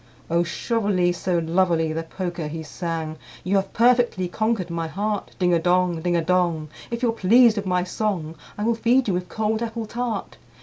II. "O Shovely so lovely!" the Poker he sang, "You have perfectly conquered my heart. Ding a dong, ding a dong! If you're pleased with my song, I will feed you with cold apple tart.